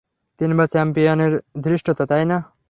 তিনবার চ্যাম্পিয়নের ধৃষ্টতা, তাই না?